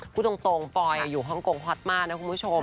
พูดตรงปอยอยู่ฮ่องกงฮอตมากนะคุณผู้ชม